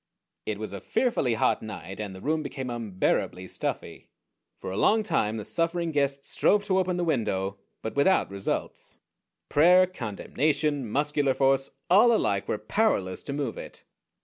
It was a fearfully hot night, and the room became unbearably stuffy. For a long time the suffering guest strove to open the window, but without results. Prayer, condemnation, muscular force, all alike were powerless to move it.